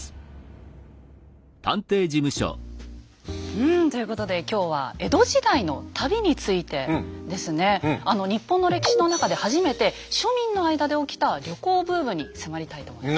うんということで今日は「江戸時代の旅」についてですね日本の歴史の中で初めて庶民の間で起きた旅行ブームに迫りたいと思います。